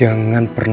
aku ingin berbohong